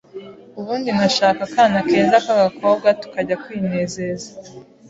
ubundi nkashaka akana keza k’agakobwa tukajya kwinezeza